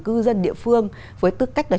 cư dân địa phương với tư cách là